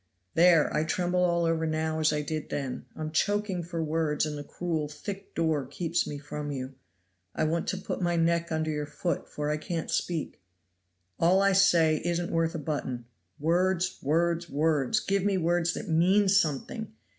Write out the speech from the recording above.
There, I tremble all over now as I did then. I'm choking for words, and the cruel, thick door keeps me from you. I want to put my neck under your foot, for I can't speak. All I say isn't worth a button. Words! words! words! give me words that mean something.